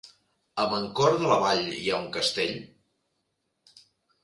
A Mancor de la Vall hi ha un castell?